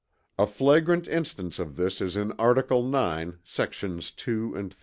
A flagrant instance of this is in article IX, sections 2 and 3.